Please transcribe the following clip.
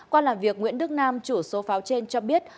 qua làm việc nguyễn đức nam chủ số pháo trên cho biết